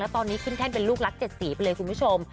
ตอนนี้ขึ้นแท่นเป็นลูกรัก๗สีไปเลยคุณผู้ชม